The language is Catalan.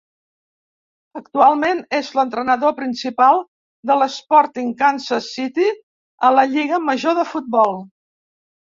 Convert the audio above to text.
Actualment és l'entrenador principal del Sporting Kansas City al la lliga major de futbol.